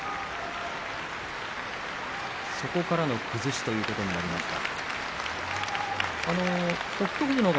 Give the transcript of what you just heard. それからの崩しということになりました。